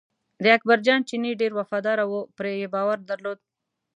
د اکبر جان چینی ډېر وفاداره و پرې یې باور درلود.